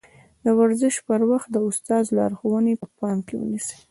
د ورزش پر وخت د استاد لارښوونې په پام کې ونيسئ.